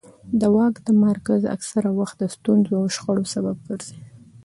د واک تمرکز اکثره وخت د ستونزو او شخړو سبب ګرځي